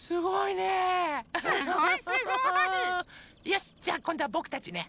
よしじゃあこんどはぼくたちね。